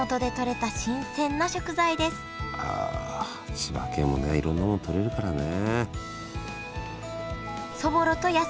ああ千葉県もねいろんなもの採れるからね。